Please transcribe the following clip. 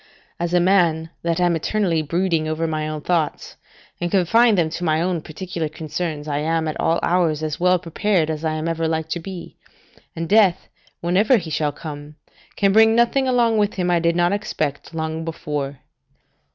As a man that am eternally brooding over my own thoughts, and confine them to my own particular concerns, I am at all hours as well prepared as I am ever like to be, and death, whenever he shall come, can bring nothing along with him I did not expect long before.